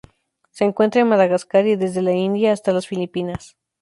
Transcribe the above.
Se encuentra en Madagascar y desde la India hasta las Filipinas.